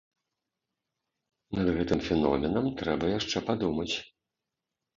Над гэтым феноменам трэба яшчэ падумаць.